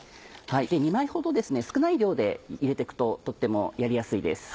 ２枚ほどですね少ない量で入れて行くととってもやりやすいです。